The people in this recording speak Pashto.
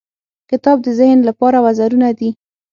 • کتاب د ذهن لپاره وزرونه دي.